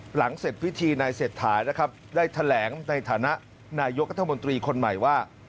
หลังเสร็จพิธีนายเศรษฐานะครับได้แถลงในฐานะนายกรัฐมนตรีคนใหม่ว่า